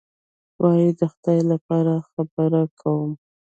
وایي: د خدای لپاره خبره کوم.